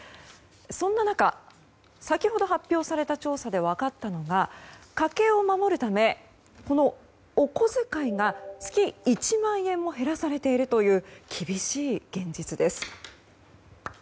そんな中、先ほど発表された調査で分かったのが家計を守るため、お小遣いが月１万円も減らされているという厳しい現実です。